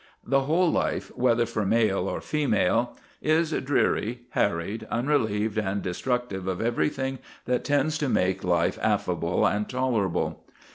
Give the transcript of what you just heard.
The whole life, whether for male or female, is dreary, harried, unrelieved, and destructive of everything that tends to make life affable and tolerable.